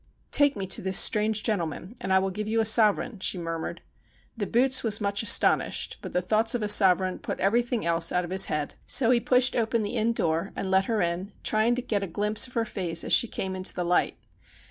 ' Take me to this strange gentleman, and I will give yon a sovereign,' she murmured. The boots was much astonished, but the thoughts of a sovereign put everything else out of his head ; so he pushed open the inn door and led her in, trying to get a glimpse of her face as she came into the light.